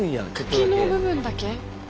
茎の部分だけ。